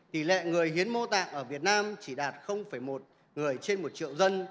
tỷ lệ người hiến mô tạng ở việt nam chỉ đạt một người trên một triệu dân